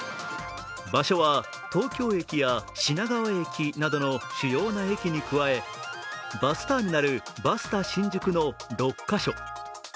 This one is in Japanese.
場所は、東京駅や品川駅などの主要な駅に加えバスターミナル、バスタ新宿の６カ所。